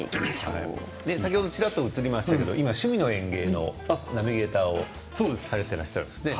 先ほどちらりと映りましたが今「趣味の園芸」のナビゲーターをされているんですね。